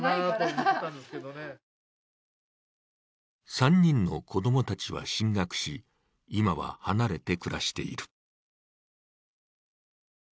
３人の子供たちは進学し、今は離れて暮らしている。